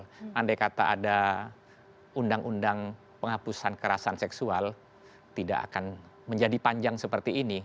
kalau andai kata ada undang undang penghapusan kekerasan seksual tidak akan menjadi panjang seperti ini